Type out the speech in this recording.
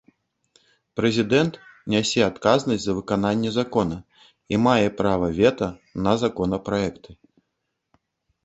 Прэзідэнт нясе адказнасць за выкананне закона, і мае права вета на законапраекты.